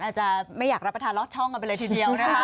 อาจจะไม่อยากรับประทานลอดช่องกันไปเลยทีเดียวนะคะ